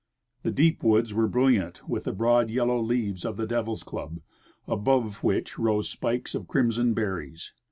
The deep Avoods were brilliant with the broad yelloAV leaves of the Devil's club, above Avhich rose spikes of crimson berries.